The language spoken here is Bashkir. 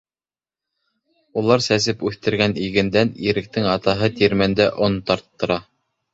Улар сәсеп үҫтергән игендән Иректең атаһы тирмәндә он тарттыра.